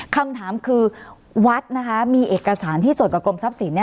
คำถามคือวัดนะคะมีเอกสารที่ส่วนกับกรมทรัพย์สิน